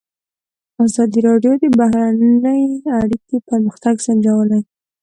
ازادي راډیو د بهرنۍ اړیکې پرمختګ سنجولی.